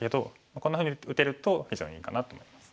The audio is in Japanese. こんなふうに打てると非常にいいかなと思います。